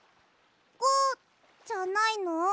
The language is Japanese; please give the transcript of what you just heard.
５じゃないの？